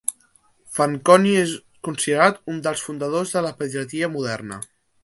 Fanconi és considerat un dels fundadors de la pediatria moderna.